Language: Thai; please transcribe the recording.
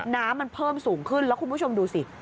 น้ำมันเพิ่มสูงขึ้นแล้วคุณผู้ชมดูสิ